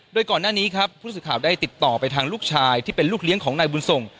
โดยก่อนหน้านี้ครับผู้สื่อข่าวได้ติดต่อไปทางลูกชายที่เป็นลูกเลี้ยงของนายบุญส่ง